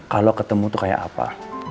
kalo ketemu tuh kayak apa